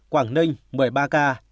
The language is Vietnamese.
quảng ninh một mươi ba ca